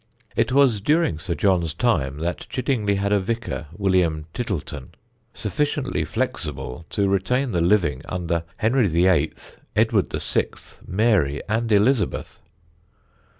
It was during Sir John's time that Chiddingly had a vicar, William Titelton, sufficiently flexible to retain the living under Henry VIII., Edward VI., Mary, and Elizabeth.